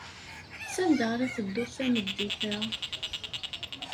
Sanda ara tedduḍ tameddit-a?